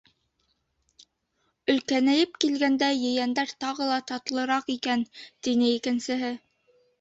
Өлкәнәйеп килгәндә ейәндәр тағы ла татлыраҡ икән, — тине икенсеһе.